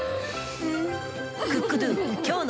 うん！